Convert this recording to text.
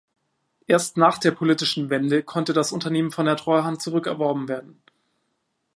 Erst nach der politischen Wende konnte das Unternehmen von der Treuhand zurückerworben werden.